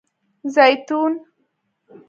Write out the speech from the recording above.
🫒 زیتون